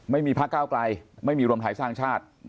ไม่มีพักก้าวไกลไม่มีรวมไทยสร้างชาติ